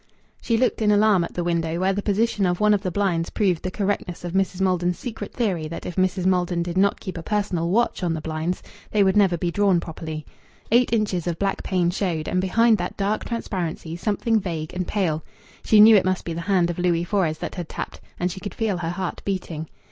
She looked in alarm at the window, where the position of one of the blinds proved the correctness of Mrs. Maldon's secret theory that if Mrs. Maldon did not keep a personal watch on the blinds they would never be drawn properly. Eight inches of black pane showed, and behind that dark transparency something vague and pale. She knew it must be the hand of Louis Fores that had tapped, and she could feel her heart beating.